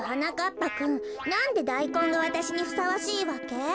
ぱくんなんでダイコンがわたしにふさわしいわけ？